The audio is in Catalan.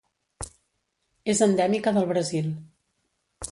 És endèmica del Brasil.